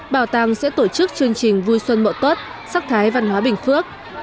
bảo tàng sẽ tổ chức chương trình vui xuân mộ tốt sắc thái văn hóa bình phước